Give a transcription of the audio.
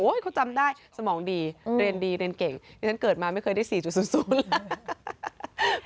เขาจำได้สมองดีเรียนดีเรียนเก่งดิฉันเกิดมาไม่เคยได้๔๐๐เลย